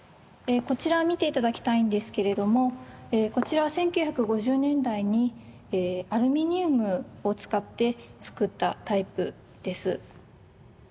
こちら見て頂きたいんですけれどもこちらは１９５０年代にアルミニウムを使って作ったタイプです。